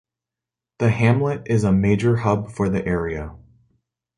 The hamlet is a major hub for the area.